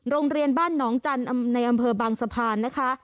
โรงเรียนบ้านหนองจันทร์ในอำเภอบางสะพานนะคะ